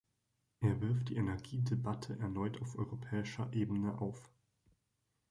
Er wirft die Energie-Debatte erneut auf europäischer Ebene auf.